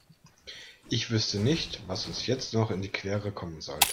Ich wüsste nicht, was uns jetzt noch in die Quere kommen sollte.